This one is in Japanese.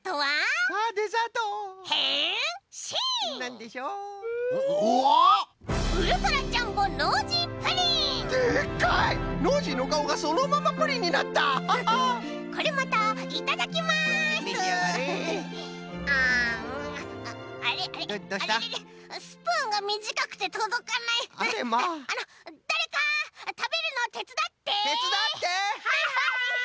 はいはい！